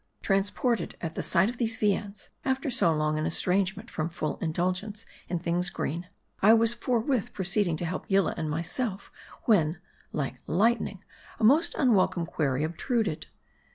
Transported at the sight of these viands, after so long an estrangement from full indulgence in things green, I was forthwith proceeding to help Yillah and myself, when, like lightning, a most unwelcome query obtruded.